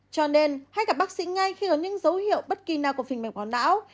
cho nên hãy gặp bác sĩ ngay khi có những dấu hiệu bất kỳ nào của phình mạch máu não